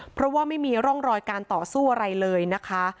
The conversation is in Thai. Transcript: เพราะว่าไม่มีร่องรอยการต่อสู้อะไรเลยนะคะ